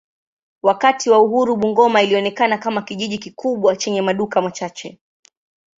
Wakati wa uhuru Bungoma ilionekana kama kijiji kikubwa chenye maduka machache.